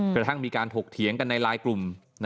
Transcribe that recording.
กระทั่งมีการถกเถียงกันในไลน์กลุ่ม